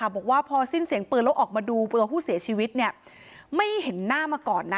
บอกว่าพอสิ้นเสียงปืนแล้วออกมาดูตัวผู้เสียชีวิตไม่เห็นหน้ามาก่อนนะ